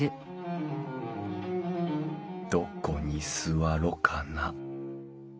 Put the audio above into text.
どこに座ろかな。